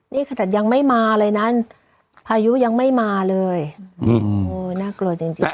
นี่ขนาดยังไม่มาเลยนะพายุยังไม่มาเลยน่ากลัวจริงจริง